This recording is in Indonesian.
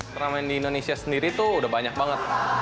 turamen di indonesia sendiri itu udah banyak banget